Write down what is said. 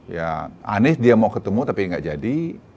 ya anies dia mau ketemu tapi gak jadi